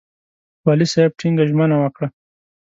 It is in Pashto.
والي صاحب ټینګه ژمنه وکړه.